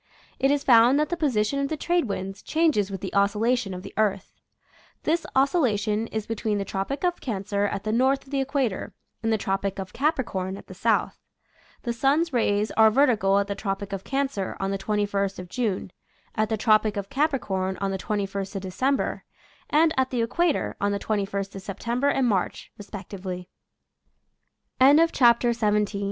It is found that the position of the trade winds changes with the oscillation of the earth. This oscillation is between the Tropic of Cancer at the north of the equator and the Tropic of Capricorn at the south. The sun's rays are vertical at the Tropic of Cancer on the 21st of June, at the Tropic of Capricorn on the 21st of December, and at the Equator on the 21st of September and